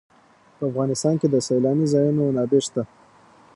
په افغانستان کې د سیلانی ځایونه منابع شته.